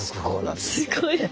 すごいね。